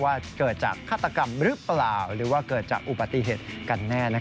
ว่าเกิดจากฆาตกรรมหรือเปล่าหรือว่าเกิดจากอุบัติเหตุกันแน่